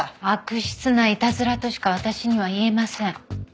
悪質ないたずらとしか私には言えません。